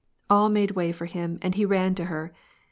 All made way for him, and he ran to her.